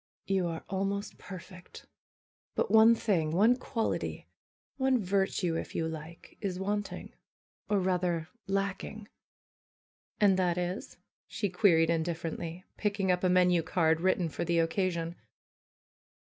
^^You are almost perfect! Btit one thing, one quality, one virtue if you like, is wanting, or rather, lacking." ^'And that is?" she queried indifferently, picking up a menu card, written for the occasion.